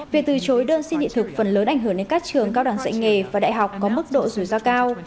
việc từ chối đơn xin thị thực phần lớn ảnh hưởng đến các trường cao đẳng dạy nghề và đại học có mức độ rủi ro cao